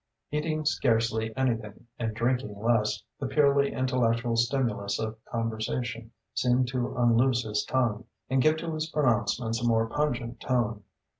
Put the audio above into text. Eating scarcely anything and drinking less, the purely intellectual stimulus of conversation seemed to unloose his tongue and give to his pronouncements a more pungent tone.